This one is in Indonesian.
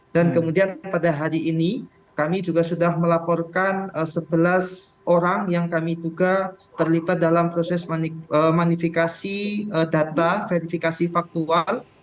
dan kemudian pada hari ini kami juga sudah melaporkan sebelas orang yang kami duga terlibat dalam proses manifikasi data verifikasi faktual